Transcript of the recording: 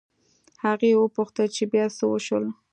هغې وپوښتل چې بيا څه وشول